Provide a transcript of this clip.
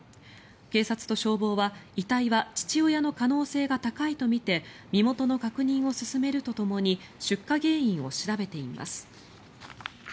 警察と消防は遺体は父親の可能性が高いとみて身元の確認を進めるとともに出火原因を調べています。